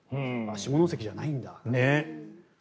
下関じゃないんだという。